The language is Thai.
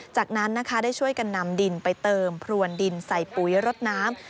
จากนั้นนะคะได้ช่วยกันนำดินไปเติมพรวนดินใส่ปุ๋ยรดน้ำ